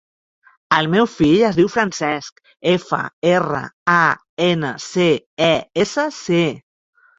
El meu fill es diu Francesc: efa, erra, a, ena, ce, e, essa, ce.